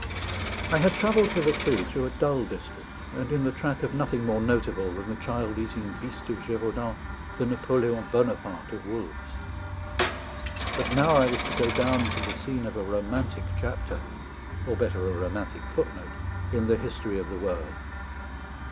I had travelled hitherto through a dull district, and in the track of nothing more notable than the child eating Beast of Gévaudan, the Napoléon Bonaparte of wolves. But now I was to go down into the scene of a romantic chapter or, better, a romantic footnote in the history of the world.